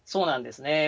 そうなんですね。